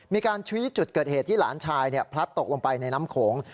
มีการชี้จุดเกิดเหตุที่หลานชายพลัดตกลงไปในน้ำโขง